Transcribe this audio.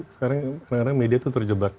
sekarang kadang kadang media itu terjebak